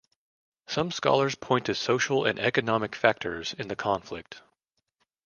Some scholars point to social and economic factors in the conflict.